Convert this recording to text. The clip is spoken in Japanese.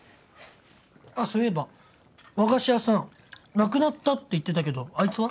あっそういえば和菓子屋さんなくなったって言ってたけどあいつは？